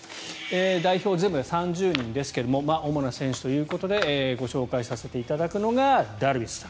代表全部で３０人ですが主な選手ということでご紹介させていただくのがダルビッシュさん。